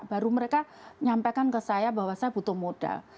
baru mereka nyampaikan ke saya bahwa saya butuh modal